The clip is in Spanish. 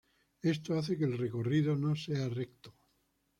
Esto hace que el recorrido no sea recto.